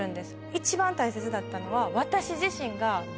一番大切だったのは。